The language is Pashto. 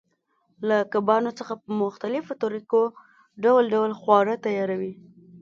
له کبانو څخه په مختلفو طریقو ډول ډول خواړه تیاروي.